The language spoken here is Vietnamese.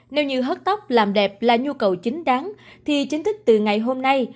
nếu như hớt tóc làm đẹp là nhu cầu chính đáng thì chính thức từ ngày hôm nay